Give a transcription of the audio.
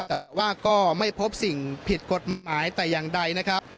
แต่ว่าก็ไม่พบสิ่งผิดกฎหมายแต่อย่างใดนะครับ